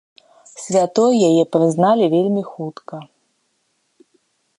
Святой яе прызналі вельмі хутка.